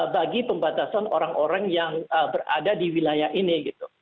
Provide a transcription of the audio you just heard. bagi pembatasan orang orang yang berada di wilayah ini gitu